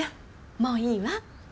もういいわ。